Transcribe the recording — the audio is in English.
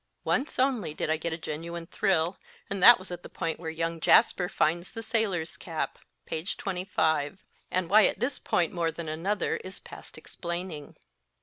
Once only did I get a genuine thrill, and that was at the point where young Jasper finds the sailor s cap (p. 25), and why at this point more than another is past explaining.